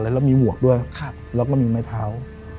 แล้วมีหมวกด้วยแล้วก็มีไม้เท้า